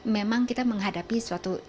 memang kita menghadapi suatu